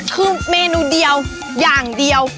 คือเมนูเดียวอย่างเดียว